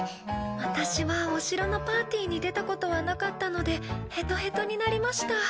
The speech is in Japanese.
私はお城のパーティーに出たことはなかったのでヘトヘトになりました。